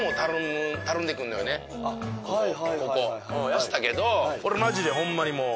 痩せたけど俺マジでホンマにもう。